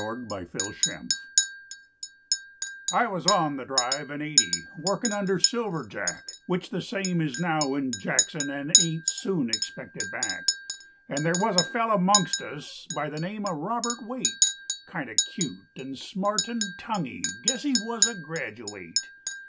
SILVER JACK I was on the drive in eighty Working under Silver Jack, Which the same is now in Jackson And ain't soon expected back, And there was a fellow 'mongst us By the name of Robert Waite; Kind of cute and smart and tonguey Guess he was a graduate.